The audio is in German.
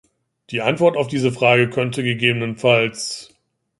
Die Antwort auf diese Frage könnte ggf.